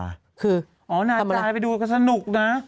คือทำอะไรนะอ๋อนาจาไปดูก็สนุกนะ